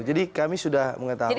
jadi kami sudah mengetahui